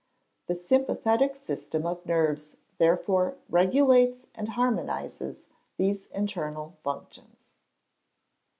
The sympathetic system of nerves therefore regulates and harmonises these internal functions.